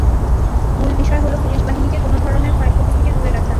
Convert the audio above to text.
মূল বিষয় হলো, পুলিশ বাহিনীকে কোনো ধরনের ক্ষয়ক্ষতি থেকে দূরে রাখা।